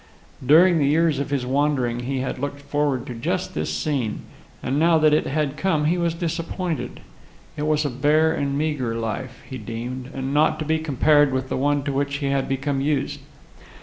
During the years of his wandering he had looked forward to just this scene, and now that it had come he was disappointed. It was a bare and meagre life, he deemed, and not to be compared to the one to which he had become used.